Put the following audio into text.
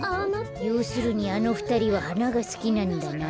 ようするにあのふたりははながすきなんだなあ。